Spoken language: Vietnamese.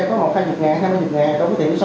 còn ở ngoài chạy khách ngoài thì có khi ngày chạy